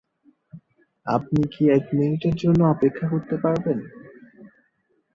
আপনি কি এক মিনিটের জন্য অপেক্ষা করতে পারবেন?